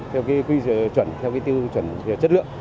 theo cái quy trở chuẩn theo cái tiêu chuẩn chất lượng